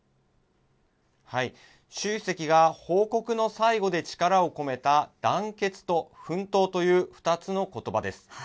習主席が報告の最後で力を込めた、団結と奮闘という２つのことばです。